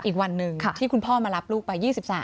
อีกวันหนึ่งที่คุณพ่อมารับลูกไป๒๓